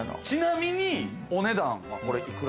ちなみにお値段は？